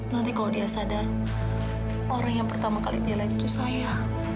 nanti kalau dia sadar orang yang pertama kali nilai itu saya